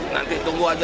nanti tunggu aja